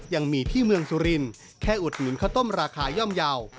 ยังมีที่เมืองสุรินแค่อุดหนุนข้าวต้มราคาย่อมเยาว์